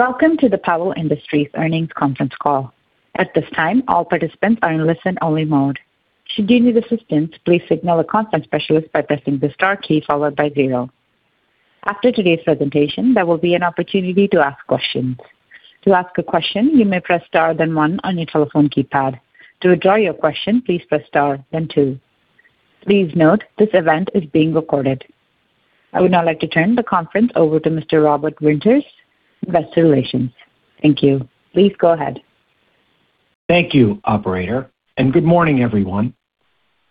Welcome to the Powell Industries earnings conference call. At this time, all participants are in listen-only mode. Should you need assistance, please signal a conference specialist by pressing the star key followed by zero. After today's presentation, there will be an opportunity to ask questions. To ask a question, you may press star, then one on your telephone keypad. To withdraw your question, please press star, then two. Please note, this event is being recorded. I would now like to turn the conference over to Mr. Robert Winters, Investor Relations. Thank you. Please go ahead. Thank you, operator. Good morning, everyone.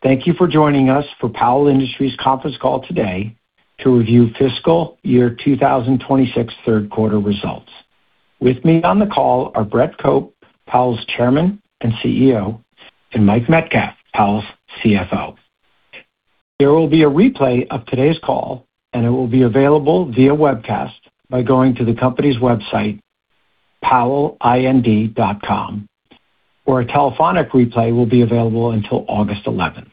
Thank you for joining us for Powell Industries conference call today to review fiscal year 2026 third quarter results. With me on the call are Brett Cope, Powell's Chairman and CEO, and Mike Metcalf, Powell's CFO. There will be a replay of today's call. It will be available via webcast by going to the company's website, powellind.com, or a telephonic replay will be available until August 11th.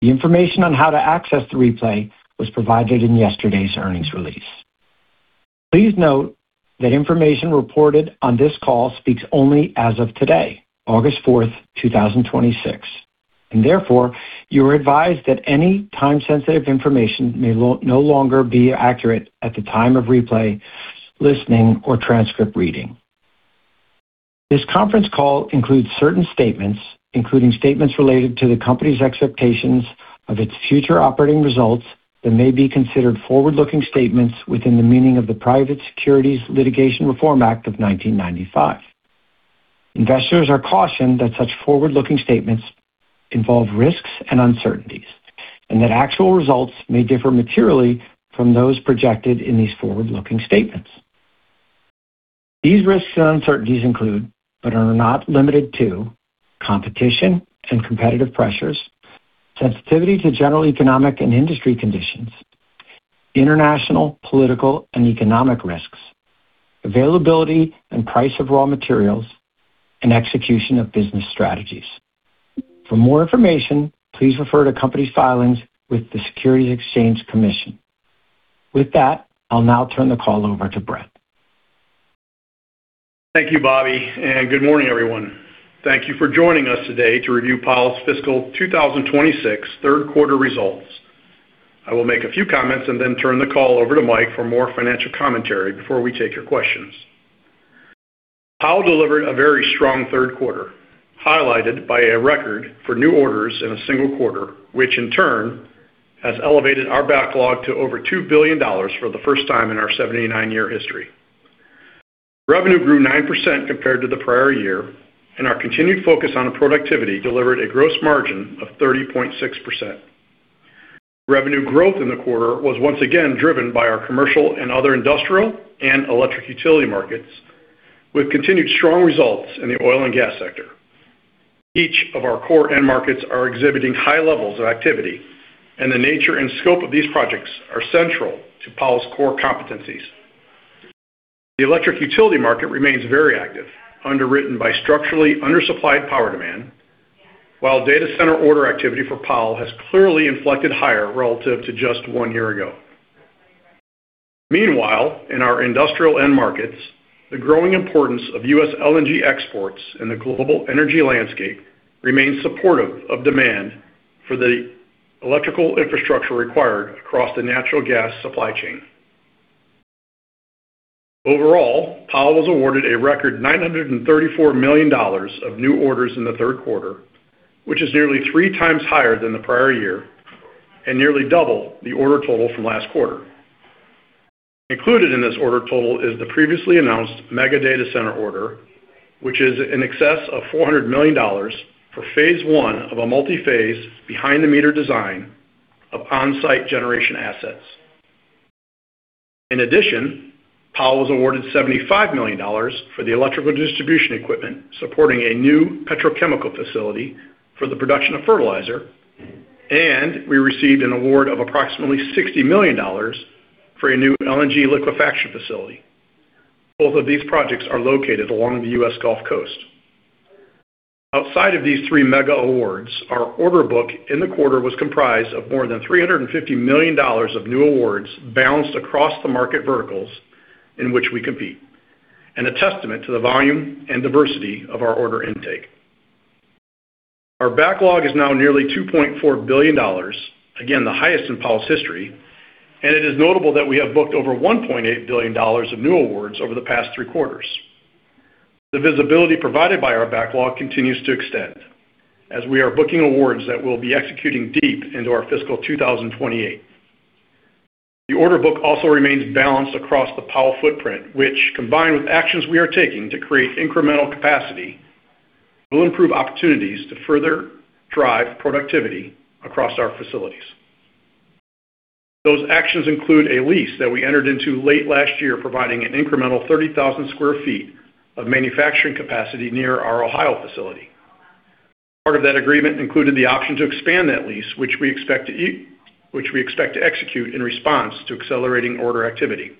The information on how to access the replay was provided in yesterday's earnings release. Please note that information reported on this call speaks only as of today, August 4th, 2026. Therefore, you are advised that any time-sensitive information may no longer be accurate at the time of replay, listening, or transcript reading. This conference call includes certain statements, including statements related to the company's expectations of its future operating results, that may be considered forward-looking statements within the meaning of the Private Securities Litigation Reform Act of 1995. Investors are cautioned that such forward-looking statements involve risks and uncertainties. Actual results may differ materially from those projected in these forward-looking statements. These risks and uncertainties include, but are not limited to, competition and competitive pressures, sensitivity to general economic and industry conditions, international political and economic risks, availability and price of raw materials, execution of business strategies. For more information, please refer to company's filings with the Securities and Exchange Commission. With that, I'll now turn the call over to Brett. Thank you, Bobby. Good morning, everyone. Thank you for joining us today to review Powell's fiscal 2026 third quarter results. I will make a few comments. Then turn the call over to Mike for more financial commentary before we take your questions. Powell delivered a very strong third quarter, highlighted by a record for new orders in a single quarter, which in turn has elevated our backlog to over $2 billion for the first time in our 79-year history. Revenue grew 9% compared to the prior year. Our continued focus on productivity delivered a gross margin of 30.6%. Revenue growth in the quarter was once again driven by our commercial and other industrial and electric utility markets, with continued strong results in the oil and gas sector. Each of our core end markets are exhibiting high levels of activity. The nature and scope of these projects are central to Powell's core competencies. The electric utility market remains very active, underwritten by structurally undersupplied power demand, while data center order activity for Powell has clearly inflected higher relative to just one year ago. Meanwhile, in our industrial end markets, the growing importance of U.S. LNG exports in the global energy landscape remains supportive of demand for the electrical infrastructure required across the natural gas supply chain. Overall, Powell was awarded a record $934 million of new orders in the third quarter, which is nearly three times higher than the prior year and nearly double the order total from last quarter. Included in this order total is the previously announced mega data center order, which is in excess of $400 million for Phase 1 of a multi-phase behind the meter design of on-site generation assets. Powell was awarded $75 million for the electrical distribution equipment supporting a new petrochemical facility for the production of fertilizer, and we received an award of approximately $60 million for a new LNG liquefaction facility. Both of these projects are located along the U.S. Gulf Coast. Outside of these three mega awards, our order book in the quarter was comprised of more than $350 million of new awards balanced across the market verticals in which we compete and a testament to the volume and diversity of our order intake. Our backlog is now nearly $2.4 billion, again, the highest in Powell's history. It is notable that we have booked over $1.8 billion of new awards over the past three quarters. The visibility provided by our backlog continues to extend as we are booking awards that we'll be executing deep into our fiscal 2028. The order book also remains balanced across the Powell footprint, which, combined with actions we are taking to create incremental capacity, will improve opportunities to further drive productivity across our facilities. Those actions include a lease that we entered into late last year, providing an incremental 30,000 sq ft of manufacturing capacity near our Ohio facility. Part of that agreement included the option to expand that lease, which we expect to execute in response to accelerating order activity.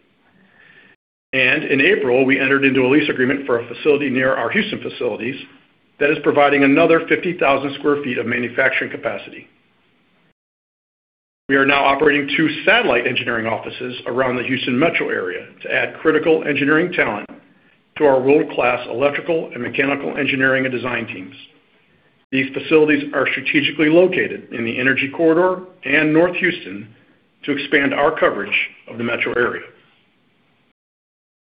In April, we entered into a lease agreement for a facility near our Houston facilities that is providing another 50,000 sq ft of manufacturing capacity. We are now operating two satellite engineering offices around the Houston Metro area to add critical engineering talent to our world-class electrical and mechanical engineering and design teams. These facilities are strategically located in the energy corridor and North Houston to expand our coverage of the metro area.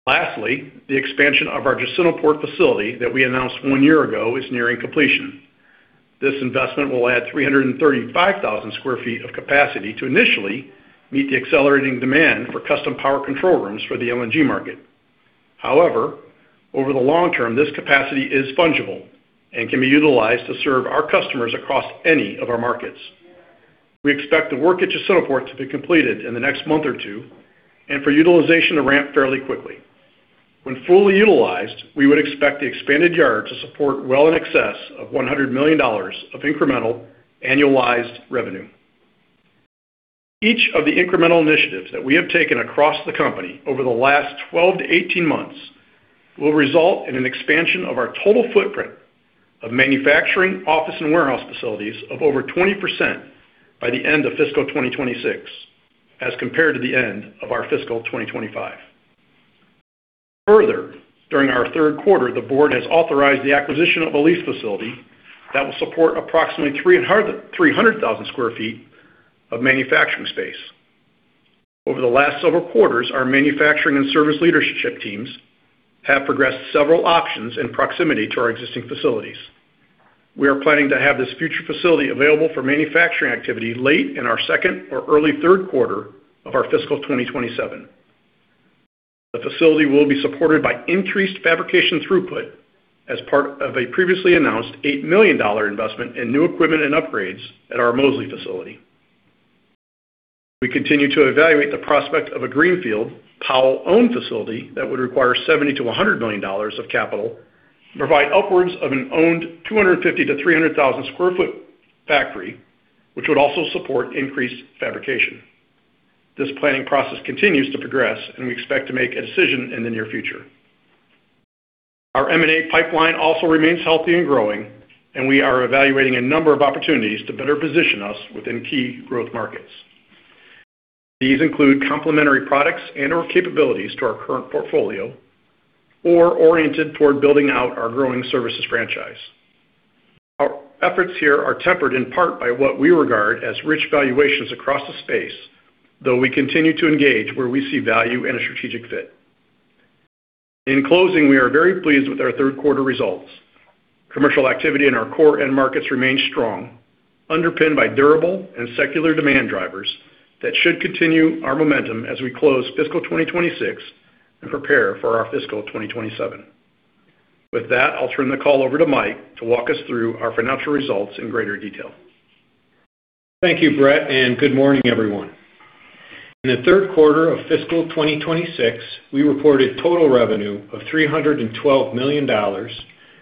Lastly, the expansion of our Jacintoport facility that we announced one year ago is nearing completion. This investment will add 335,000 sq ft of capacity to initially meet the accelerating demand for custom Power Control Rooms for the LNG market. However, over the long term, this capacity is fungible and can be utilized to serve our customers across any of our markets. We expect the work at Jacintoport to be completed in the next month or two and for utilization to ramp fairly quickly. When fully utilized, we would expect the expanded yard to support well in excess of $100 million of incremental annualized revenue. Each of the incremental initiatives that we have taken across the company over the last 12 to 18 months will result in an expansion of our total footprint of manufacturing office and warehouse facilities of over 20% by the end of fiscal 2026 as compared to the end of our fiscal 2025. During our third quarter, the board has authorized the acquisition of a lease facility that will support approximately 300,000 sq ft of manufacturing space. Over the last several quarters, our manufacturing and service leadership teams have progressed several options in proximity to our existing facilities. We are planning to have this future facility available for manufacturing activity late in our second or early third quarter of our fiscal 2027. The facility will be supported by increased fabrication throughput as part of a previously announced $8 million investment in new equipment and upgrades at our Moseley facility. We continue to evaluate the prospect of a greenfield Powell-owned facility that would require $70 million-$100 million of capital and provide upwards of an owned 250,000-300,000 sq ft factory, which would also support increased fabrication. This planning process continues to progress, and we expect to make a decision in the near future. Our M&A pipeline also remains healthy and growing, and we are evaluating a number of opportunities to better position us within key growth markets. These include complementary products and/or capabilities to our current portfolio or oriented toward building out our growing services franchise. Our efforts here are tempered in part by what we regard as rich valuations across the space, though we continue to engage where we see value and a strategic fit. In closing, we are very pleased with our third quarter results. Commercial activity in our core end markets remains strong, underpinned by durable and secular demand drivers that should continue our momentum as we close fiscal 2026 and prepare for our fiscal 2027. With that, I'll turn the call over to Mike to walk us through our financial results in greater detail. Thank you, Brett, and good morning, everyone. In the third quarter of fiscal 2026, we reported total revenue of $312 million,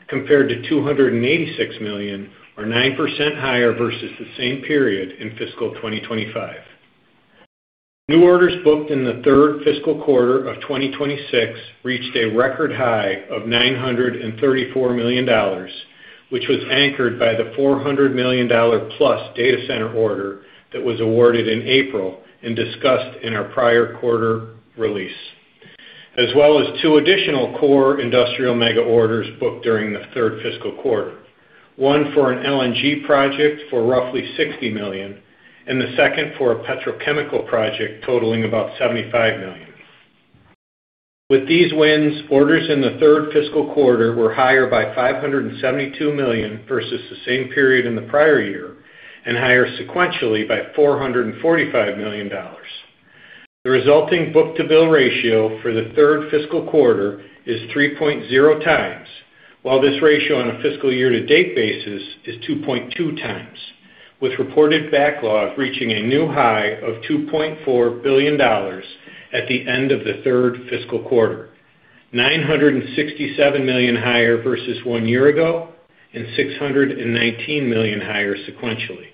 compared to $286 million, or 9% higher versus the same period in fiscal 2025. New orders booked in the third fiscal quarter of 2026 reached a record high of $934 million, which was anchored by the $400 million-plus data center order that was awarded in April and discussed in our prior quarter release, as well as two additional core industrial mega orders booked during the third fiscal quarter, one for an LNG project for roughly $60 million and the second for a petrochemical project totaling about $75 million. These wins, orders in the third fiscal quarter were higher by $572 million versus the same period in the prior year and higher sequentially by $445 million. The resulting book-to-bill ratio for the third fiscal quarter is 3.0x, while this ratio on a fiscal year to date basis is 2.2x, with reported backlog reaching a new high of $2.4 billion at the end of the third fiscal quarter, $967 million higher versus one year ago and $619 million higher sequentially.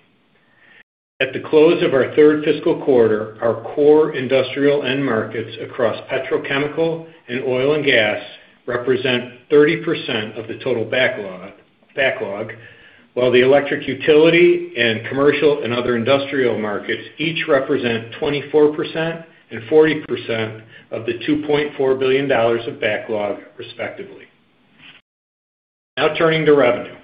At the close of our third fiscal quarter, our core industrial end markets across petrochemical and oil and gas represent 30% of the total backlog, while the electric utility and commercial and other industrial markets each represent 24% and 40% of the $2.4 billion of backlog, respectively. Turning to revenue.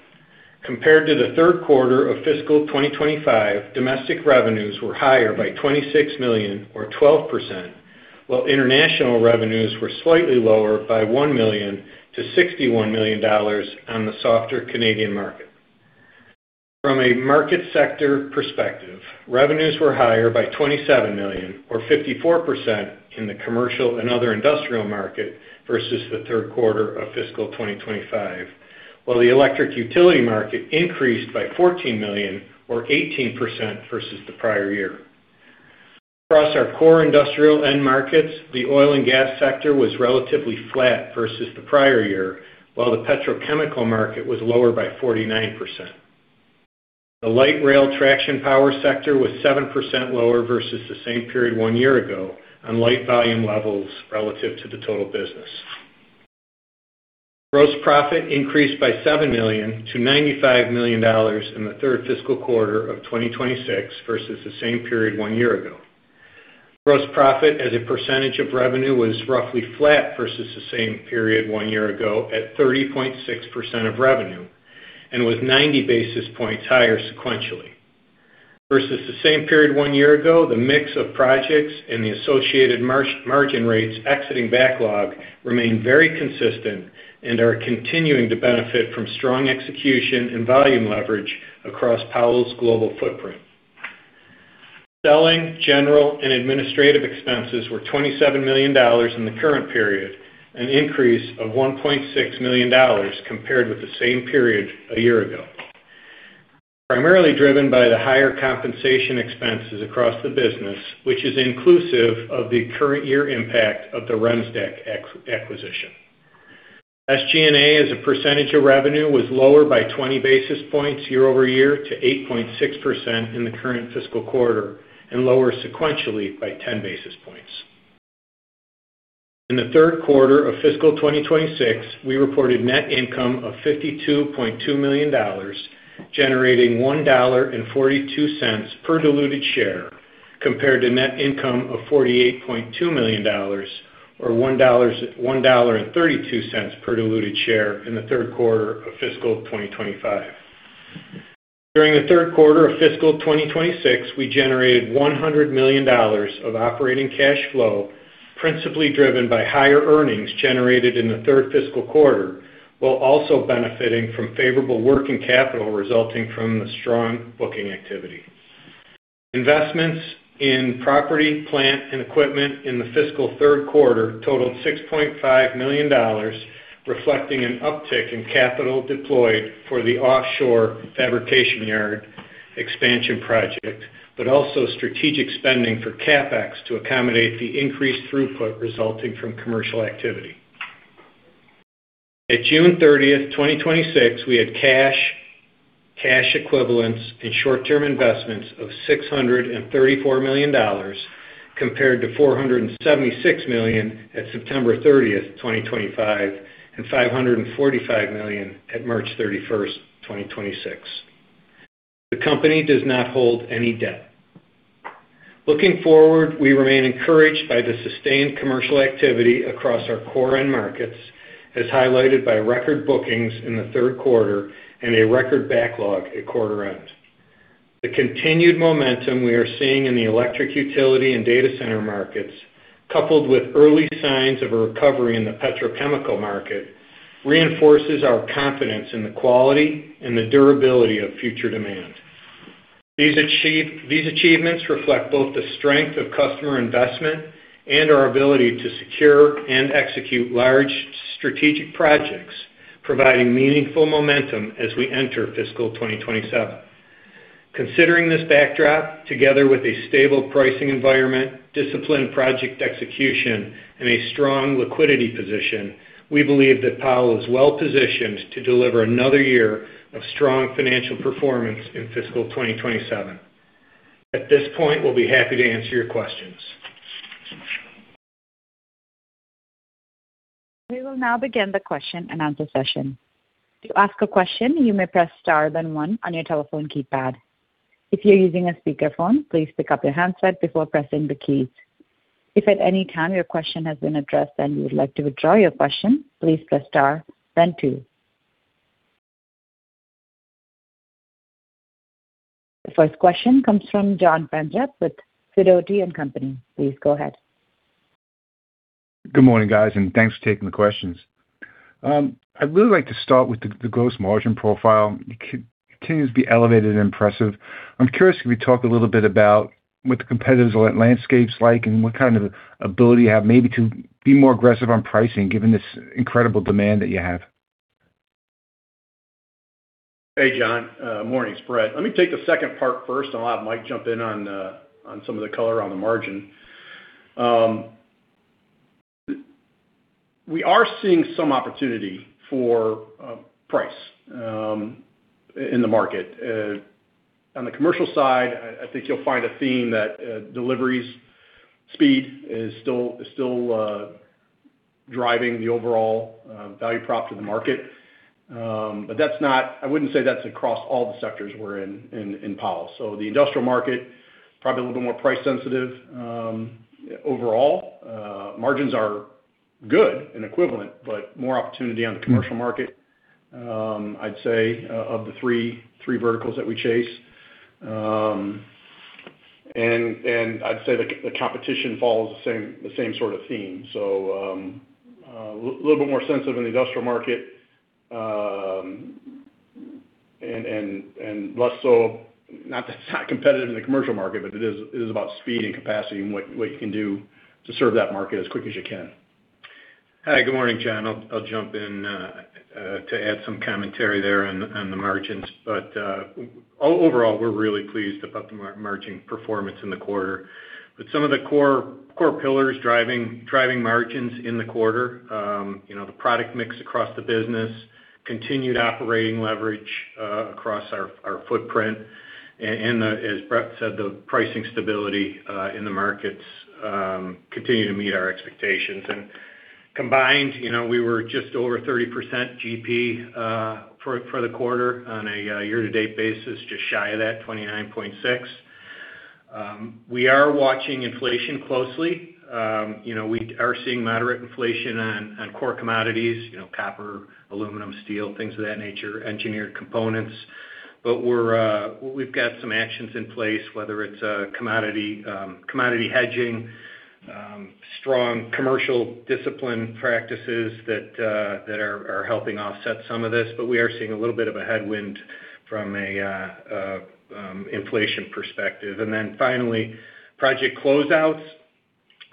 Compared to the third quarter of fiscal 2025, domestic revenues were higher by $26 million, or 12%, while international revenues were slightly lower by $1 million to $61 million on the softer Canadian market. From a market sector perspective, revenues were higher by $27 million, or 54%, in the commercial and other industrial market versus the third quarter of fiscal 2025. While the electric utility market increased by $14 million, or 18%, versus the prior year. Across our core industrial end markets, the oil and gas sector was relatively flat versus the prior year, while the petrochemical market was lower by 49%. The light rail traction power sector was 7% lower versus the same period one year ago on light volume levels relative to the total business. Gross profit increased by $7 million to $95 million in the third fiscal quarter of 2026 versus the same period one year ago. Gross profit as a percentage of revenue was roughly flat versus the same period one year ago at 30.6% of revenue and was 90 basis points higher sequentially. Versus the same period one year ago, the mix of projects and the associated margin rates exiting backlog remain very consistent and are continuing to benefit from strong execution and volume leverage across Powell's global footprint. Selling, general, and administrative expenses were $27 million in the current period, an increase of $1.6 million compared with the same period a year ago, primarily driven by the higher compensation expenses across the business, which is inclusive of the current year impact of the Remsdaq acquisition. SG&A as a percentage of revenue was lower by 20 basis points year-over-year to 8.6% in the current fiscal quarter and lower sequentially by 10 basis points. In the third quarter of fiscal 2026, we reported net income of $52.2 million, generating $1.42 per diluted share, compared to net income of $48.2 million or $1.32 per diluted share in the third quarter of fiscal 2025. During the third quarter of fiscal 2026, we generated $100 million of operating cash flow, principally driven by higher earnings generated in the third fiscal quarter, while also benefiting from favorable working capital resulting from the strong booking activity. Investments in property, plant, and equipment in the fiscal third quarter totaled $6.5 million, reflecting an uptick in capital deployed for the offshore fabrication yard expansion project, but also strategic spending for CapEx to accommodate the increased throughput resulting from commercial activity. At June 30th, 2026, we had cash equivalents, and short-term investments of $634 million, compared to $476 million at September 30th, 2025, and $545 million at March 31st, 2026. The company does not hold any debt. Looking forward, we remain encouraged by the sustained commercial activity across our core end markets, as highlighted by record bookings in the third quarter and a record backlog at quarter end. The continued momentum we are seeing in the electric utility and data center markets, coupled with early signs of a recovery in the petrochemical market, reinforces our confidence in the quality and the durability of future demand. These achievements reflect both the strength of customer investment and our ability to secure and execute large strategic projects, providing meaningful momentum as we enter fiscal 2027. Considering this backdrop, together with a stable pricing environment, disciplined project execution, and a strong liquidity position, we believe that Powell is well-positioned to deliver another year of strong financial performance in fiscal 2027. At this point, we'll be happy to answer your questions. We will now begin the question-and-answer session. To ask a question, you may press star then one on your telephone keypad. If you're using a speakerphone, please pick up your handset before pressing the keys. If at any time your question has been addressed and you would like to withdraw your question, please press star then two. The first question comes from John Franzreb with Sidoti & Company. Please go ahead. Good morning, guys. Thanks for taking the questions. I'd really like to start with the gross margin profile. It continues to be elevated and impressive. I'm curious if you could talk a little bit about what the competitive landscape is like and what kind of ability you have maybe to be more aggressive on pricing given this incredible demand that you have. Hey, John. Morning. It's Brett. Let me take the second part first, and I'll have Mike jump in on some of the color on the margin. We are seeing some opportunity for price in the market. On the commercial side, I think you'll find a theme that deliveries speed is still driving the overall value prop to the market. I wouldn't say that's across all the sectors we're in Powell. The industrial market, probably a little bit more price sensitive. Overall, margins are good and equivalent, but more opportunity on the commercial market, I'd say, of the three verticals that we chase. I'd say the competition follows the same sort of theme. A little bit more sensitive in the industrial market, and less so, not competitive in the commercial market, but it is about speed and capacity and what you can do to serve that market as quick as you can. Hi. Good morning, John. I'll jump in to add some commentary there on the margins. Overall, we're really pleased about the margin performance in the quarter. Some of the core pillars driving margins in the quarter, the product mix across the business, continued operating leverage across our footprint. As Brett said, the pricing stability in the markets continue to meet our expectations. Combined, we were just over 30% GP for the quarter on a year-to-date basis, just shy of that, 29.6. We are watching inflation closely. We are seeing moderate inflation on core commodities, copper, aluminum, steel, things of that nature, engineered components. We've got some actions in place, whether it's commodity hedging, strong commercial discipline practices that are helping offset some of this. We are seeing a little bit of a headwind from a inflation perspective. Finally, project closeouts.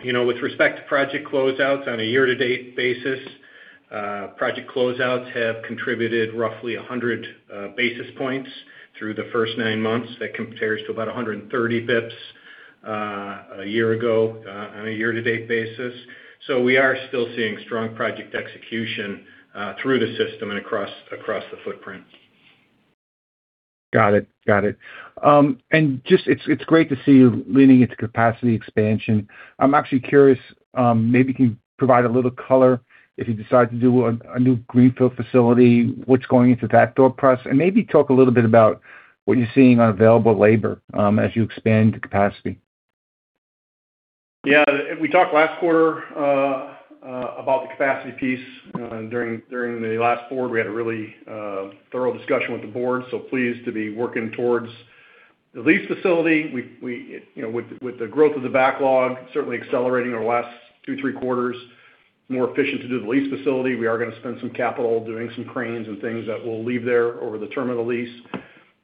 With respect to project closeouts on a year-to-date basis, project closeouts have contributed roughly 100 basis points through the first nine months. That compares to about 130 basis points a year ago on a year-to-date basis. We are still seeing strong project execution through the system and across the footprint. Got it. It's great to see you leaning into capacity expansion. I'm actually curious, maybe you can provide a little color if you decide to do a new greenfield facility, what's going into that thought process? Maybe talk a little bit about what you're seeing on available labor as you expand the capacity. Yeah. We talked last quarter about the capacity piece. During the last board, we had a really thorough discussion with the board, so pleased to be working towards the lease facility. With the growth of the backlog, certainly accelerating over the last two, three quarters, more efficient to do the lease facility. We are going to spend some capital doing some cranes and things that we'll leave there over the term of the lease.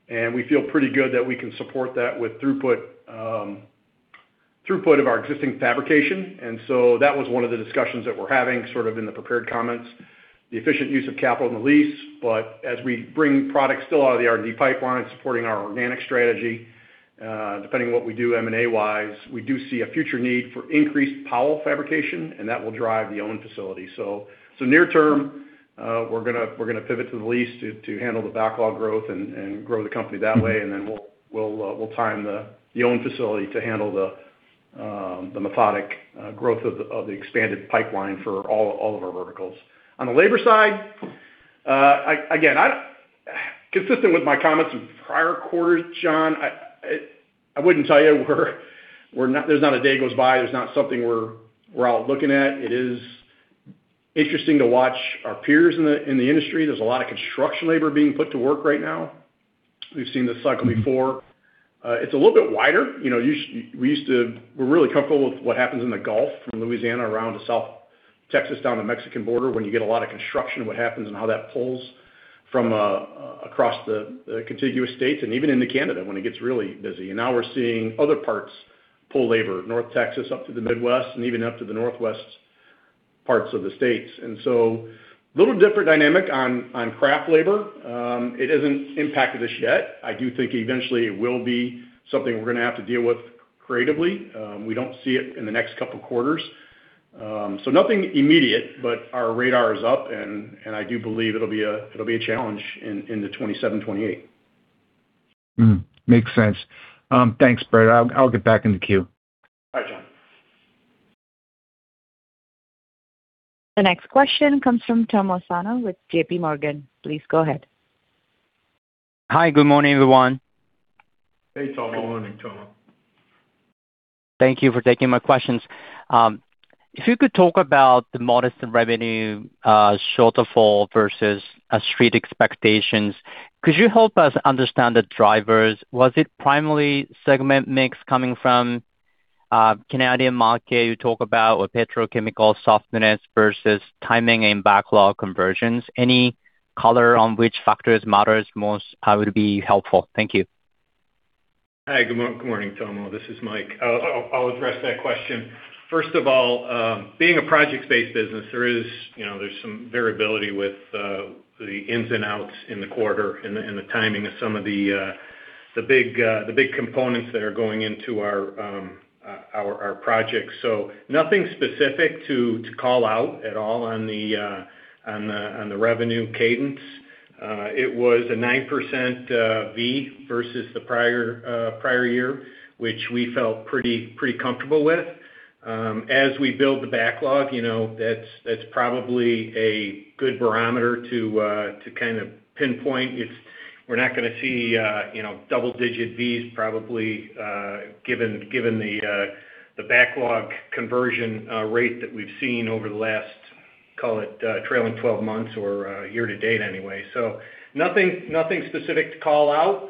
We feel pretty good that we can support that with throughput of our existing fabrication. That was one of the discussions that we're having, sort of in the prepared comments, the efficient use of capital in the lease. As we bring products still out of the R&D pipeline, supporting our organic strategy, depending on what we do M&A-wise, we do see a future need for increased power fabrication, and that will drive the own facility. Near term, we're going to pivot to the lease to handle the backlog growth and grow the company that way. We'll time the own facility to handle the methodic growth of the expanded pipeline for all of our verticals. On the labor side, again, consistent with my comments in prior quarters, John, I wouldn't tell you there's not a day goes by there's not something we're out looking at. It is interesting to watch our peers in the industry. There's a lot of construction labor being put to work right now. We've seen this cycle before. It's a little bit wider. We're really comfortable with what happens in the Gulf, from Louisiana around to South Texas down to Mexican border, when you get a lot of construction, what happens and how that pulls from across the contiguous states and even into Canada when it gets really busy. Now we're seeing other parts pull labor, North Texas up to the Midwest and even up to the northwest parts of the States. A little different dynamic on craft labor. It hasn't impacted us yet. I do think eventually it will be something we're going to have to deal with creatively. We don't see it in the next couple of quarters. Nothing immediate, but our radar is up, and I do believe it'll be a challenge into 2027, 2028. Hmm. Makes sense. Thanks, Brett. I'll get back in the queue. All right, John. The next question comes from Tomo Sano with JPMorgan. Please go ahead. Hi. Good morning, everyone. Hey, Tomo. Good morning, Tomo. Thank you for taking my questions. If you could talk about the modest revenue shortfall versus street expectations, could you help us understand the drivers? Was it primarily segment mix coming from Canadian market you talk about, or petrochemical softness versus timing and backlog conversions? Any color on which factors matters most would be helpful. Thank you. Hi, good morning, Tomo. This is Mike. I'll address that question. First of all, being a project-based business, there's some variability with the ins and outs in the quarter and the timing of some of the big components that are going into our projects. Nothing specific to call out at all on the revenue cadence. It was a 9% V versus the prior year, which we felt pretty comfortable with. As we build the backlog, that's probably a good barometer to kind of pinpoint. We're not going to see double-digit Vs probably given the backlog conversion rate that we've seen over the last, call it trailing 12 months or year to date anyway. Nothing specific to call out.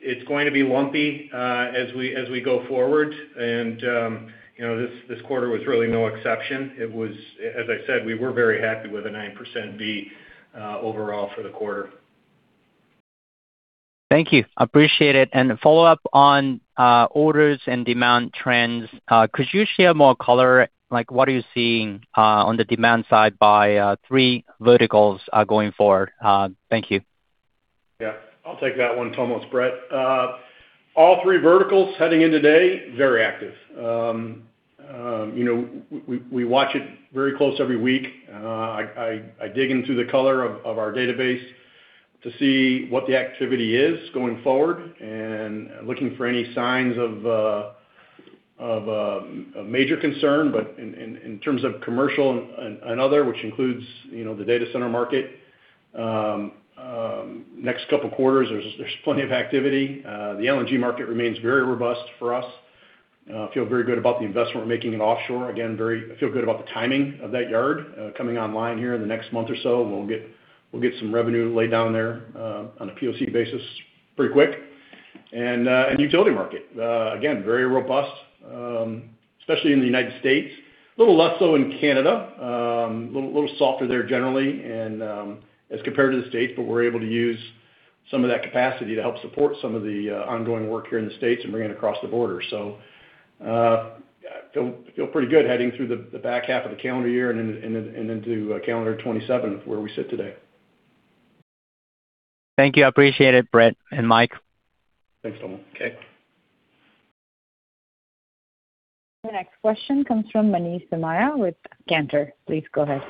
It's going to be lumpy as we go forward. This quarter was really no exception. As I said, we were very happy with a 9% V overall for the quarter. Thank you. Appreciate it. A follow-up on orders and demand trends. Could you share more color, like what are you seeing on the demand side by three verticals going forward? Thank you. Yeah. I'll take that one, Tomo. It's Brett. All three verticals heading into today, very active. We watch it very close every week. I dig into the color of our database to see what the activity is going forward and looking for any signs of a major concern, in terms of commercial and other, which includes the data center market, next couple of quarters, there's plenty of activity. The LNG market remains very robust for us. Feel very good about the investment we're making in offshore. Again, feel good about the timing of that yard coming online here in the next month or so. We'll get some revenue laid down there on a POC basis pretty quick. Utility market, again, very robust, especially in the U.S. A little less so in Canada. A little softer there generally and as compared to the U.S., we're able to use some of that capacity to help support some of the ongoing work here in the U.S. and bring it across the border. Feel pretty good heading through the back half of the calendar year and into calendar 2027, where we sit today. Thank you. I appreciate it, Brett and Mike. Thanks, Tomo. Okay. The next question comes from Manish Somaiya with Cantor. Please go ahead.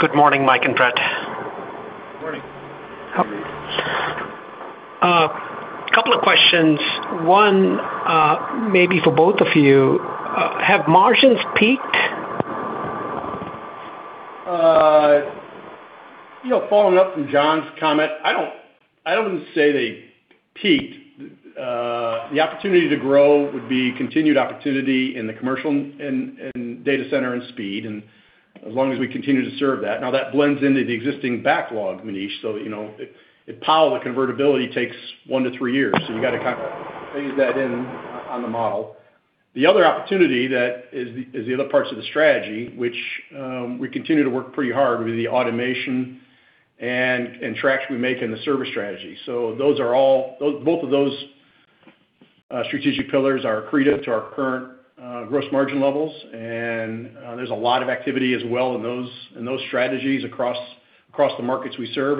Good morning, Mike and Brett. Morning. Morning. A couple of questions. One, maybe for both of you. Have margins peaked? Following up from John's comment, I wouldn't say they peaked. The opportunity to grow would be continued opportunity in the commercial, and data center, and speed, and as long as we continue to serve that. That blends into the existing backlog, Manish. At Powell, the convertibility takes one to three years, so you got to kind of phase that in on the model. The other opportunity that is the other parts of the strategy, which we continue to work pretty hard with the automation and traction we make in the service strategy. Both of those strategic pillars are accretive to our current gross margin levels, and there's a lot of activity as well in those strategies across the markets we serve.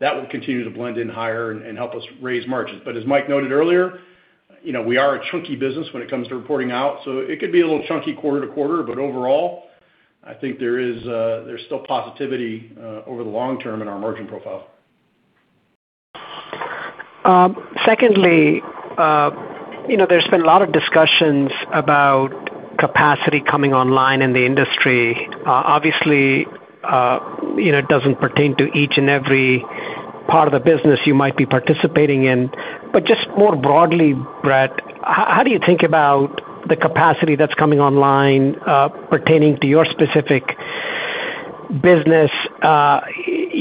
That will continue to blend in higher and help us raise margins. As Mike noted earlier, we are a chunky business when it comes to reporting out. It could be a little chunky quarter to quarter, but overall, I think there's still positivity over the long term in our margin profile. Secondly, there's been a lot of discussions about capacity coming online in the industry. Obviously, it doesn't pertain to each and every part of the business you might be participating in, just more broadly, Brett, how do you think about the capacity that's coming online pertaining to your specific business?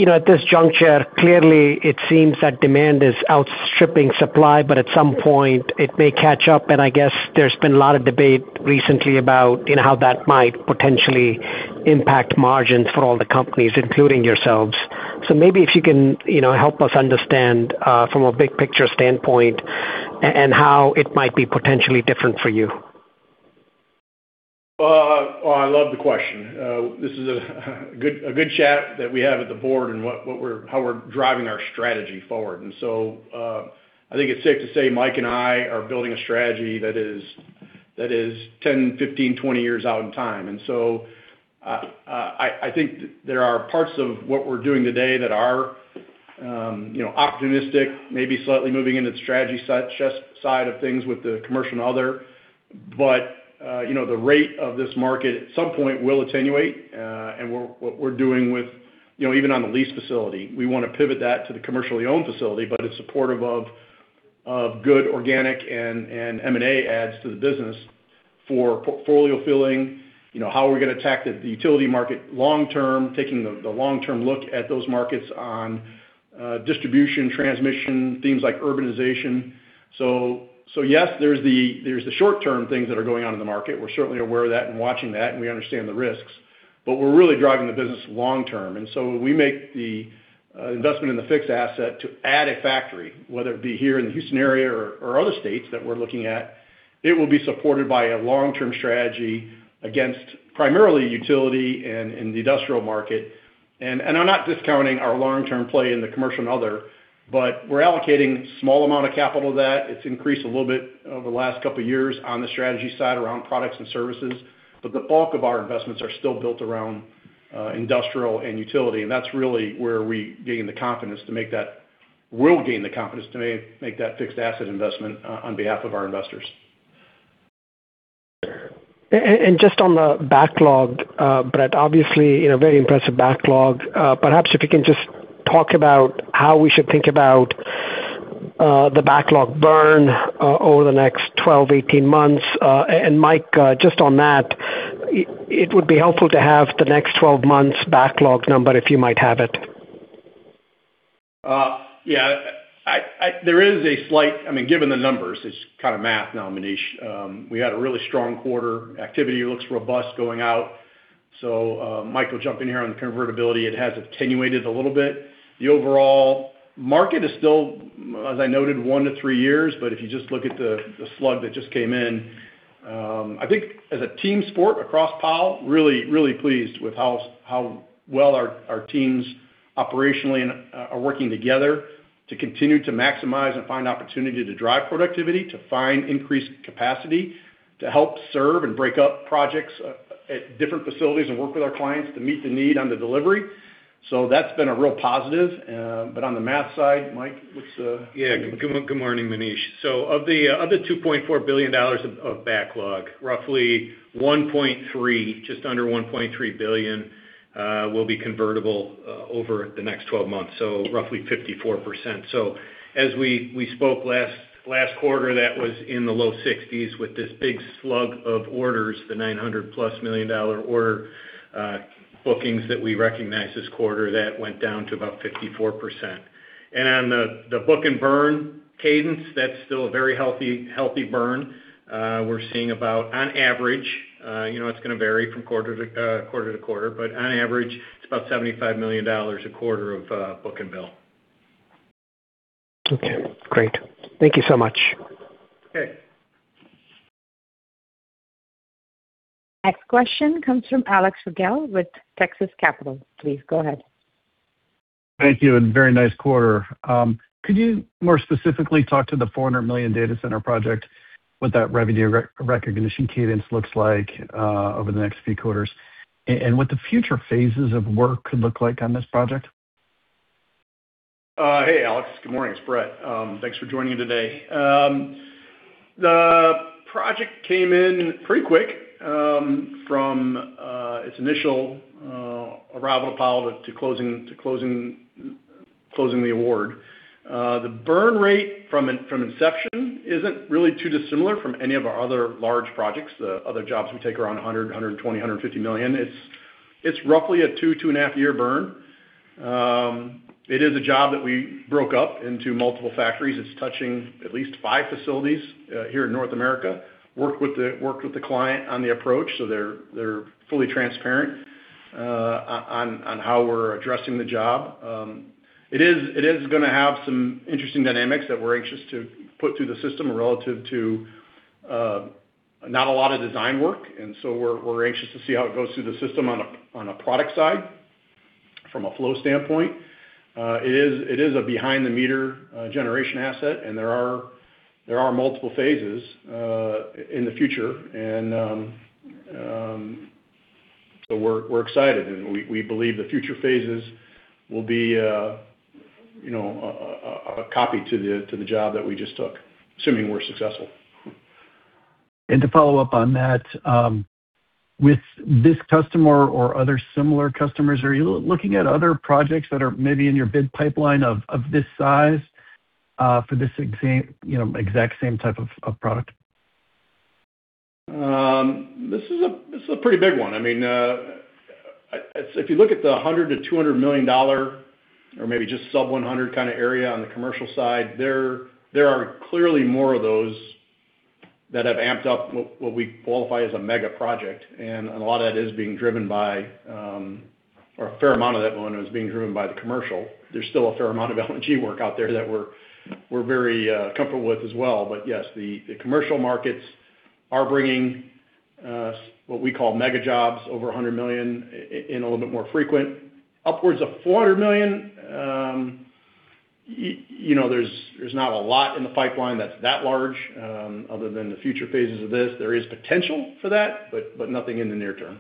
At this juncture, clearly it seems that demand is outstripping supply, at some point it may catch up, and I guess there's been a lot of debate recently about how that might potentially impact margins for all the companies, including yourselves. Maybe if you can help us understand from a big picture standpoint and how it might be potentially different for you. Well, I love the question. This is a good chat that we have at the board and how we're driving our strategy forward. I think it's safe to say Mike and I are building a strategy that is 10, 15, 20 years out in time. I think there are parts of what we're doing today that are optimistic, maybe slightly moving into the strategy side of things with the commercial and other. The rate of this market at some point will attenuate. What we're doing with even on the lease facility, we want to pivot that to the commercially owned facility, but it's supportive of good organic and M&A adds to the business for portfolio filling, how are we going to attack the utility market long term, taking the long-term look at those markets on distribution, transmission, themes like urbanization. Yes, there's the short-term things that are going on in the market. We're certainly aware of that and watching that, and we understand the risks. We're really driving the business long term. We make the investment in the fixed asset to add a factory, whether it be here in the Houston area or other states that we're looking at. It will be supported by a long-term strategy against primarily utility and the industrial market. I'm not discounting our long-term play in the commercial and other, but we're allocating small amount of capital to that. It's increased a little bit over the last couple of years on the strategy side around products and services. The bulk of our investments are still built around industrial and utility, and that's really where we gain the confidence to make that fixed asset investment on behalf of our investors. Just on the backlog, Brett, obviously, very impressive backlog. Perhaps if you can just talk about how we should think about the backlog burn over the next 12, 18 months. Mike, just on that, it would be helpful to have the next 12 months backlog number, if you might have it. Yeah. Given the numbers, it's kind of math now, Manish. We had a really strong quarter. Activity looks robust going out. Mike will jump in here on convertibility. It has attenuated a little bit. The overall market is still, as I noted, one to three years, but if you just look at the slug that just came in I think as a team sport across Powell, really pleased with how well our teams operationally are working together to continue to maximize and find opportunity to drive productivity, to find increased capacity, to help serve and break up projects at different facilities and work with our clients to meet the need on the delivery. That's been a real positive. On the math side, Mike, what's the- Good morning, Manish. Of the $2.4 billion of backlog, roughly $1.3 billion, just under $1.3 billion, will be convertible over the next 12 months, so roughly 54%. As we spoke last quarter, that was in the low 60s with this big slug of orders, the $900+ million order bookings that we recognized this quarter, that went down to about 54%. On the book and burn cadence, that's still a very healthy burn. We're seeing about, on average, it's going to vary from quarter to quarter, but on average, it's about $75 million a quarter of book and bill. Okay, great. Thank you so much. Okay. Next question comes from Alex Rygiel with Texas Capital. Please go ahead. Thank you, very nice quarter. Could you more specifically talk to the $400 million data center project, what that revenue recognition cadence looks like over the next few quarters, and what the future phases of work could look like on this project? Hey, Alex. Good morning. It's Brett. Thanks for joining today. The project came in pretty quick from its initial arrival to Powell to closing the award. The burn rate from inception isn't really too dissimilar from any of our other large projects, the other jobs we take around $100 million, $120 million, $150 million. It's roughly a two and a half year burn. It is a job that we broke up into multiple factories. It's touching at least five facilities here in North America. We worked with the client on the approach, so they're fully transparent on how we're addressing the job. It is going to have some interesting dynamics that we're anxious to put through the system relative to not a lot of design work. We're anxious to see how it goes through the system on a product side from a flow standpoint. It is a behind-the-meter generation asset. There are multiple phases in the future. We're excited. We believe the future phases will be a copy to the job that we just took, assuming we're successful. To follow up on that, with this customer or other similar customers, are you looking at other projects that are maybe in your bid pipeline of this size for this exact same type of product? This is a pretty big one. If you look at the $100 million-$200 million or maybe just sub $100 million kind of area on the commercial side, there are clearly more of those that have amped up what we qualify as a mega project. A lot of that is being driven by, or a fair amount of that one is being driven by the commercial. There's still a fair amount of LNG work out there that we're very comfortable with as well. Yes, the commercial markets are bringing what we call mega jobs over $100 million in a little bit more frequent. Upwards of $400 million, there's not a lot in the pipeline that's that large other than the future phases of this. There is potential for that. Nothing in the near term.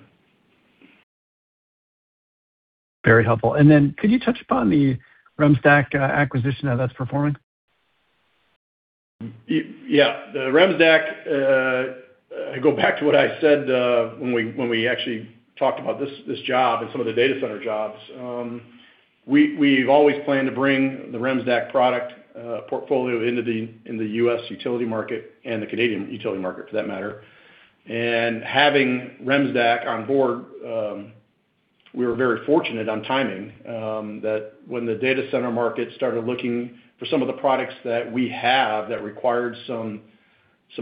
Very helpful. Could you touch upon the Remsdaq acquisition, how that's performing? Yeah. The Remsdaq, I go back to what I said when we actually talked about this job and some of the data center jobs. We've always planned to bring the Remsdaq product portfolio in the U.S. utility market and the Canadian utility market for that matter. Having Remsdaq on board, we were very fortunate on timing, that when the data center market started looking for some of the products that we have that required some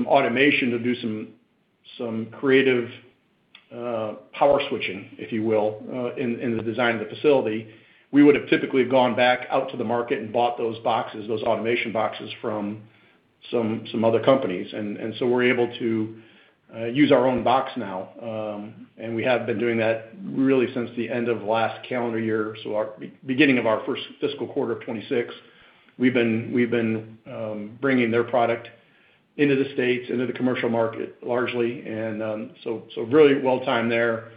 automation to do some creative power switching, if you will, in the design of the facility, we would have typically gone back out to the market and bought those boxes, those automation boxes from some other companies. We're able to use our own box now. We have been doing that really since the end of last calendar year, so beginning of our first fiscal quarter of 2026. We've been bringing their product into the States, into the commercial market, largely. Really well-timed there.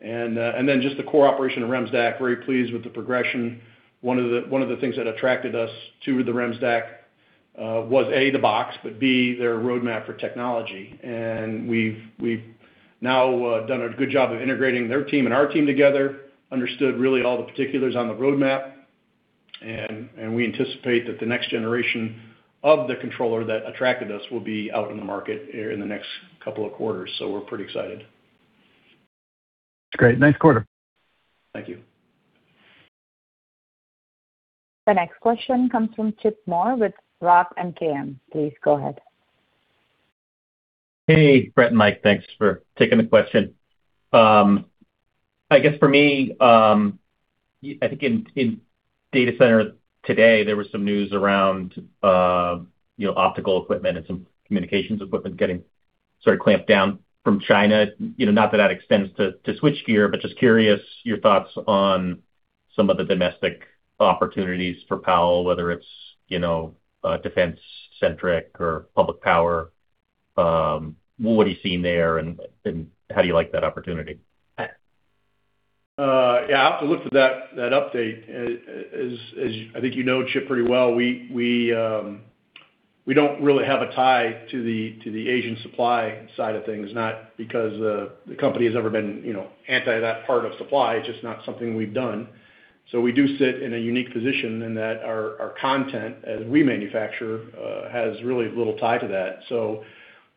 Just the core operation of Remsdaq, very pleased with the progression. One of the things that attracted us to the Remsdaq was, A, the box, but B, their roadmap for technology. We've now done a good job of integrating their team and our team together, understood really all the particulars on the roadmap. We anticipate that the next generation of the controller that attracted us will be out in the market in the next couple of quarters. We're pretty excited. Great. Nice quarter. Thank you. The next question comes from Chip Moore with ROTH MKM. Please go ahead. Hey, Brett and Mike, thanks for taking the question. I guess for me, I think in data center today, there was some news around optical equipment and some communications equipment getting sort of clamped down from China. Not that extends to switchgear, but just curious your thoughts on some of the domestic opportunities for Powell, whether it's defense centric or public power. What are you seeing there, and how do you like that opportunity? Yeah, I'll have to look for that update. As I think you know, Chip, pretty well, we don't really have a tie to the Asian supply side of things, not because the company has ever been anti that part of supply, it's just not something we've done. We do sit in a unique position in that our content, as we manufacture, has really little tie to that.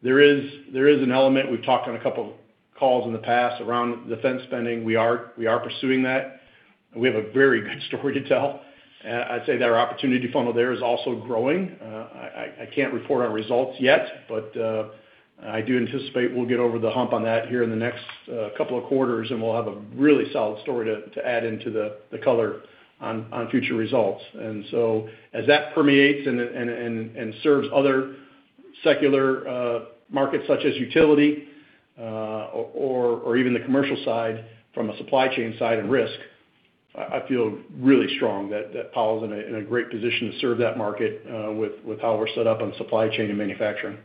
There is an element, we've talked on a couple calls in the past around defense spending. We are pursuing that, and we have a very good story to tell. I'd say that our opportunity funnel there is also growing. I can't report on results yet, but I do anticipate we'll get over the hump on that here in the next couple of quarters, and we'll have a really solid story to add into the color on future results. As that permeates and serves other secular markets such as utility or even the commercial side from a supply chain side and risk, I feel really strong that Powell's in a great position to serve that market with how we're set up on supply chain and manufacturing.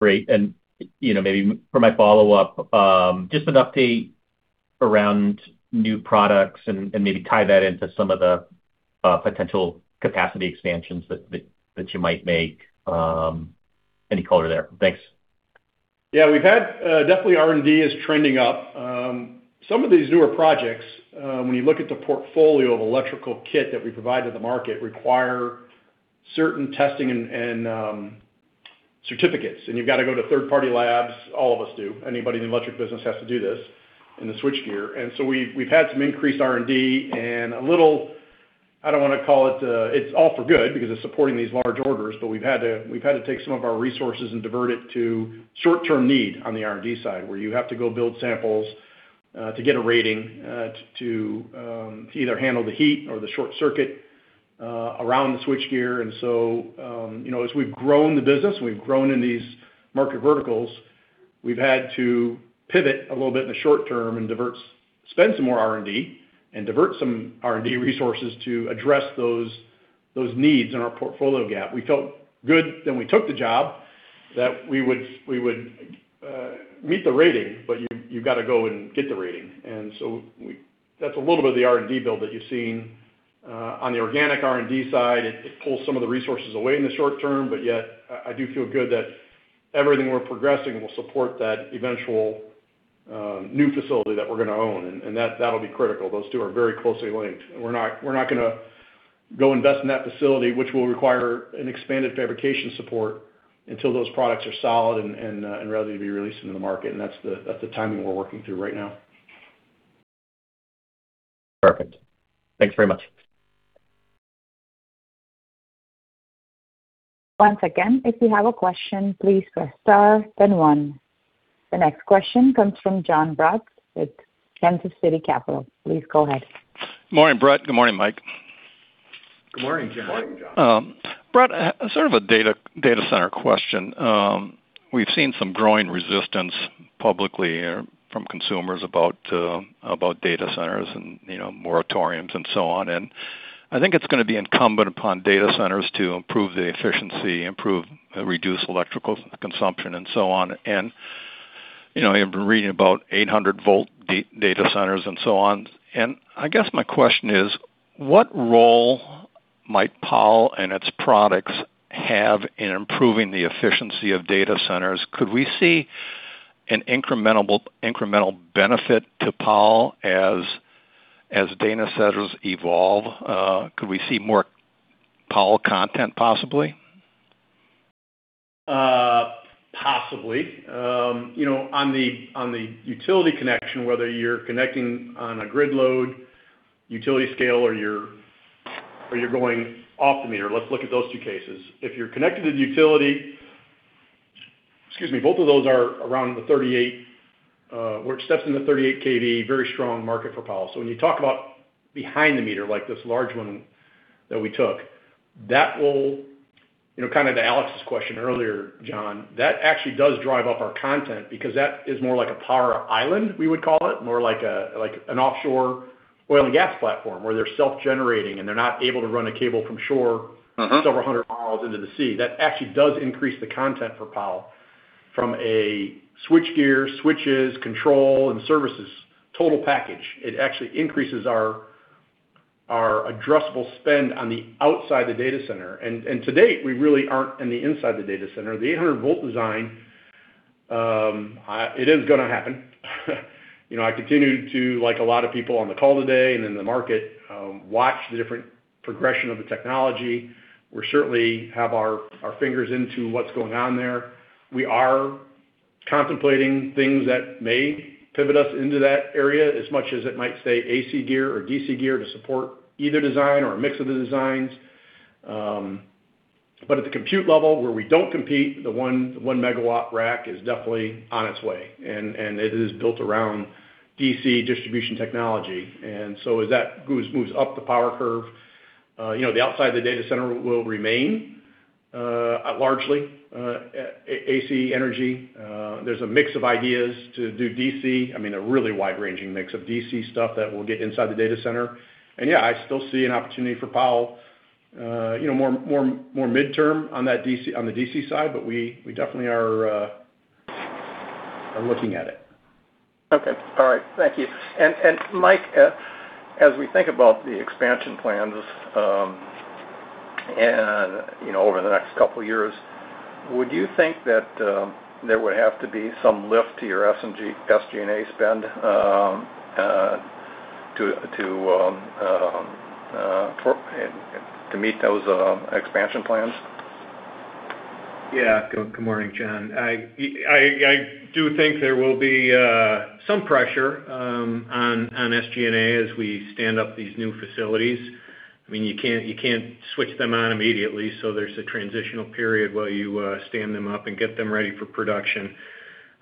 Great. Maybe for my follow-up, just an update around new products and maybe tie that into some of the potential capacity expansions that you might make. Any color there? Thanks. Yeah, definitely R&D is trending up. Some of these newer projects, when you look at the portfolio of electrical kit that we provide to the market, require certain testing and certificates, and you've got to go to third-party labs. All of us do. Anybody in the electric business has to do this in the switchgear. We've had some increased R&D and a little, I don't want to call it's all for good because it's supporting these large orders, but we've had to take some of our resources and divert it to short-term need on the R&D side, where you have to go build samples to get a rating to either handle the heat or the short circuit around the switchgear. As we've grown the business, we've grown in these market verticals, we've had to pivot a little bit in the short term and spend some more R&D and divert some R&D resources to address those needs in our portfolio gap. We felt good when we took the job that we would meet the rating, but you've got to go and get the rating. That's a little bit of the R&D build that you've seen. On the organic R&D side, it pulls some of the resources away in the short term, but yet I do feel good that everything we're progressing will support that eventual new facility that we're going to own, and that'll be critical. Those two are very closely linked. We're not going to go invest in that facility, which will require an expanded fabrication support until those products are solid and ready to be released into the market. That's the timing we're working through right now. Perfect. Thanks very much. Once again, if you have a question, please press star, then one. The next question comes from Jon Braatz with Kansas City Capital. Please go ahead. Morning, Brett. Good morning, Mike. Good morning, Jon. Morning, Jon. Brett, sort of a data center question. We've seen some growing resistance publicly from consumers about data centers and moratoriums and so on. I think it's going to be incumbent upon data centers to improve the efficiency, reduce electrical consumption, and so on. I've been reading about 800 volt data centers and so on. I guess my question is, what role might Powell and its products have in improving the efficiency of data centers? Could we see an incremental benefit to Powell as data centers evolve? Could we see more Powell content, possibly? Possibly. On the utility connection, whether you're connecting on a grid load, utility scale, or you're going off the meter. Let's look at those two cases. If you're connected to the utility Excuse me. Both of those are around the 38kV, we're stepping in the 38 kV, very strong market for Powell. When you talk about behind the meter, like this large one that we took, that will, kind of to Alex's question earlier, Jon, that actually does drive up our content because that is more like a power island, we would call it, more like an offshore oil and gas platform where they're self-generating, and they're not able to run a cable from shore several hundred miles into the sea. That actually does increase the content for Powell from a Switchgear, switches, control, and services total package. It actually increases our addressable spend on the outside the data center. To date, we really aren't in the inside the data center. The 800 volt design, it is going to happen. I continue to, like a lot of people on the call today and in the market, watch the different progression of the technology. We certainly have our fingers into what's going on there. We are contemplating things that may pivot us into that area as much as it might stay AC gear or DC gear to support either design or a mix of the designs. At the compute level, where we don't compete, the one megawatt rack is definitely on its way, and it is built around DC distribution technology. As that moves up the power curve, the outside of the data center will remain largely AC energy. There's a mix of ideas to do DC, I mean, a really wide-ranging mix of DC stuff that will get inside the data center. Yeah, I still see an opportunity for Powell more midterm on the DC side. We definitely are looking at it. Okay. All right. Thank you. Mike, as we think about the expansion plans over the next couple of years, would you think that there would have to be some lift to your SG&A spend to meet those expansion plans? Good morning, Jon. I do think there will be some pressure on SG&A as we stand up these new facilities. You can't switch them on immediately, so there's a transitional period while you stand them up and get them ready for production.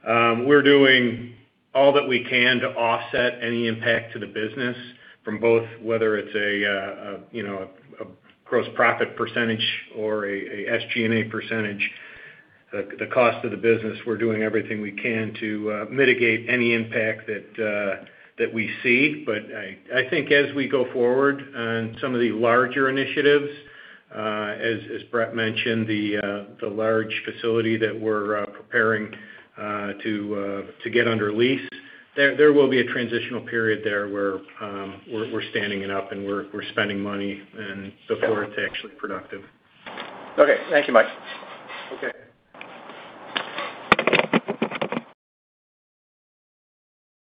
We're doing all that we can to offset any impact to the business from both, whether it's a gross profit percentage or a SG&A percentage, the cost of the business, we're doing everything we can to mitigate any impact that we see. I think as we go forward on some of the larger initiatives, as Brett mentioned, the large facility that we're preparing to get under lease, there will be a transitional period there where we're standing it up and we're spending money and so forth to actually productive. Okay. Thank you, Mike.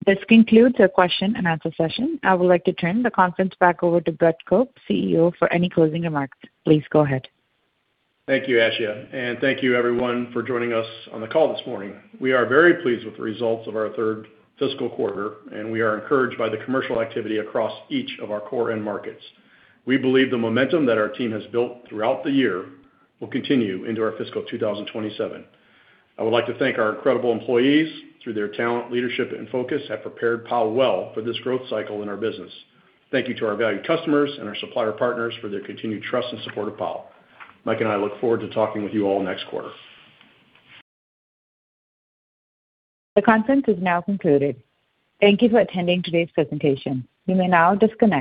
Okay. This concludes the question and answer session. I would like to turn the conference back over to Brett Cope, CEO, for any closing remarks. Please go ahead. Thank you, Asia. Thank you everyone for joining us on the call this morning. We are very pleased with the results of our third fiscal quarter. We are encouraged by the commercial activity across each of our core end markets. We believe the momentum that our team has built throughout the year will continue into our fiscal 2027. I would like to thank our incredible employees, through their talent, leadership, and focus, have prepared Powell well for this growth cycle in our business. Thank you to our valued customers and our supplier partners for their continued trust and support of Powell. Mike and I look forward to talking with you all next quarter. The conference is now concluded. Thank you for attending today's presentation. You may now disconnect.